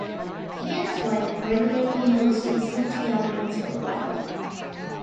He and his wife regularly hosted such gatherings for a while.